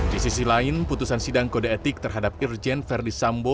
di sisi lain putusan sidang kode etik terhadap irjen verdi sambo